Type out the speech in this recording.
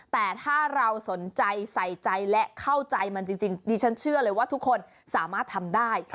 แต่ถ้าเราสนใจใส่ใจและเข้าใจมันจริงดิฉันเชื่อเลยว่าทุกคนสามารถทำได้